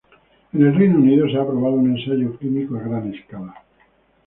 En el Reino Unido se ha aprobado un ensayo clínico a gran escala.